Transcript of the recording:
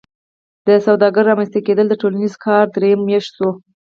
د سوداګر رامنځته کیدل د ټولنیز کار دریم ویش شو.